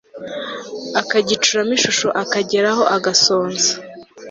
akagicuramo ishusho akagera aho agasonza